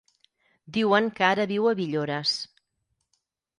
Diuen que ara viu a Villores.